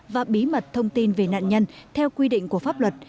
và bí mật thông tin về nạn nhân theo quy định của pháp luật